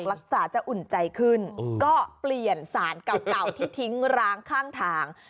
รักษาจะอุ่นใจขึ้นก็เปลี่ยนสารเก่าที่ทิ้งร้างข้างทาง